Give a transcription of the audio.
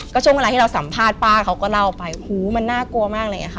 ก็ช่วงเวลาที่เราสัมภาษณ์ป้าเขาก็เล่าไปมันน่ากลัวมาก